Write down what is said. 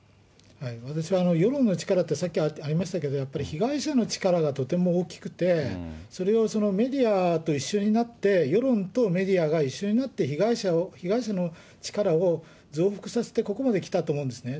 私は世論の力ってさっきありましたけれども、やっぱり被害者の力がとても大きくて、それをメディアと一緒になって、世論とメディアが一緒になって被害者の力を増幅させて、ここまで来たと思うんですね。